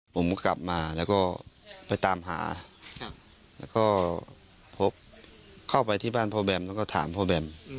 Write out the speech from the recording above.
ผมก็กลับมาแล้วก็ไปตามหาแล้วก็เข้าไปที่บ้านพ่อแบมแล้วก็ถามพ่อแบม